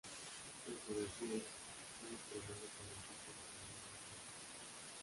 En su vejez, fue destronado por los hijos de su hermano Agrio.